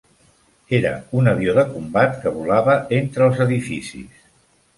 Era un avió de combat que volava entre els edificis.